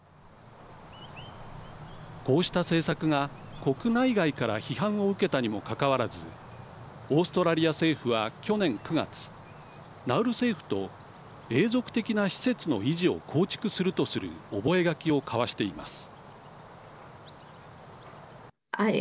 こうした政策が国内外から批判を受けたにもかかわらずオーストラリア政府は去年９月ナウル政府と永続的な施設の維持を構築するとする覚書を交わしています。